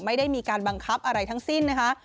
ไม่ได้มีการบังคับอะไรทั้งสิ้นนะคะ